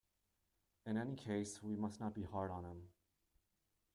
In any case we must not be hard on him.